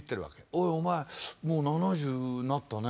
「おいお前もう７０なったね」。